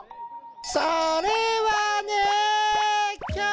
それはね。